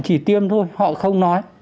họ chỉ tiêm thôi họ không nói